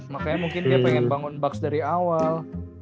makanya mungkin dia pengen bangun bucks dari awal